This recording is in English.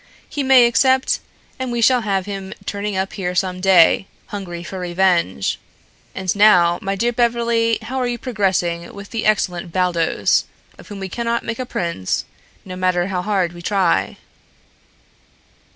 "He may accept and we shall have him turning up here some day, hungry for revenge. And now, my dear Beverly, how are you progressing with the excellent Baldos, of whom we cannot make a prince, no matter how hard we try?"